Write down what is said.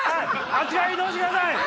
あちらへ移動してください。